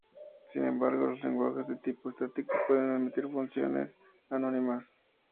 Sin embargo, los lenguajes de tipo estático pueden admitir funciones anónimas.